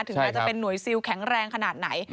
แม้จะเป็นหน่วยซิลแข็งแรงขนาดไหน